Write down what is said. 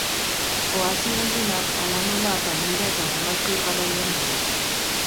Oasi gehienak, hala nola Palmira eta Damasko, iparraldean daude.